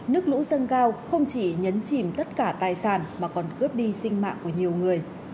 nước lũ dâng cao không chỉ nhấn chìm tất cả tài sản mà còn cướp đi sinh mạng của nhiều người